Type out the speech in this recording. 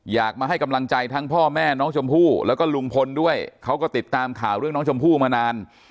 อยากมาให้กำลังใจทั้งพ่อแม่น้องชมพู่แล้วก็ลุงพลด้วยเขาก็ติดตามข่าวเรื่องน้องชมพู่มานาน